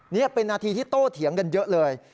นี่เป็นนาทีที่โต้เถียงกันเยอะเลย